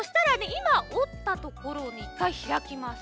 いまおったところをねいっかいひらきます。